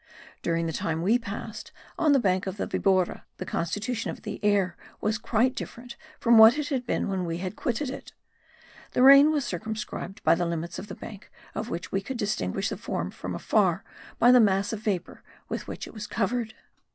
During the time we passed on the bank of the Vibora the constitution of the air was quite different from what it had been when we quitted it. The rain was circumscribed by the limits of the bank of which we could distinguish the form from afar by the mass of vapour with which it was covered.